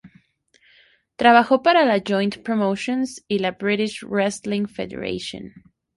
Trabajó para la Joint Promotions y la British Wrestling Federation.